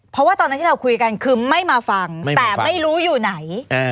เพราะว่าตอนนั้นที่เราคุยกันคือไม่มาฟังแต่ไม่รู้อยู่ไหน